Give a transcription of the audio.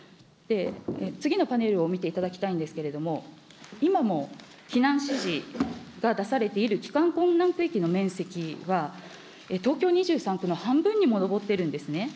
次のパネルを見ていただきたいんですけれども、今も避難指示が出されている帰還困難区域の面積は、東京２３区の半分にも上ってるんですね。